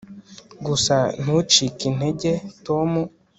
Gusa ntucike intege Tom